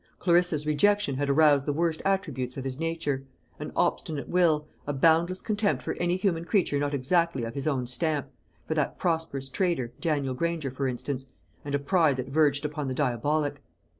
Clarissa's rejection had aroused the worst attributes of his nature an obstinate will, a boundless contempt for any human creature not exactly of his own stamp for that prosperous trader, Daniel Granger, for instance and a pride that verged upon the diabolic.